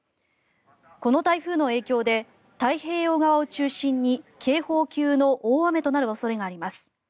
この台風の影響で太平洋側を中心に警報級の大雨となる恐れがあります。